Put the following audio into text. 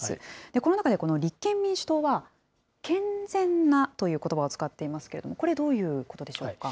この中で、この立憲民主党は、健全なということばを使っていますけれども、これ、どういうことでしょうか。